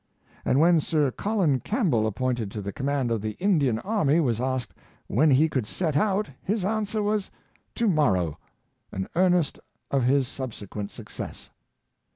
And when Sir Colin Campbell, appointed to the command of the Indian army, was asked when he could set out, his answer was, ^' To morrow "— an earnest of his subsequent success.